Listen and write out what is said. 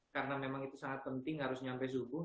karena memang itu sangat penting harus nyampe subuh